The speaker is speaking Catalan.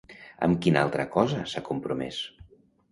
Amb quina altra cosa s'ha compromès?